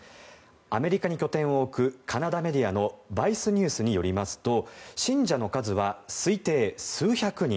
アメリカに拠点を置くカナダメディアのＶＩＣＥＮｅｗｓによりますと信者の数は推定、数百人。